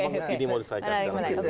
kalau memang ini mau diselesaikan